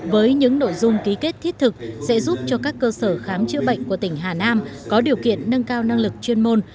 với những nội dung ký kết thiết thực sẽ giúp cho các cơ sở khám chữa bệnh của tỉnh hà nam có điều kiện nâng cao năng lực chuyên môn